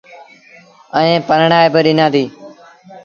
ائيٚݩ پرڻآئي با ڏنآݩدي۔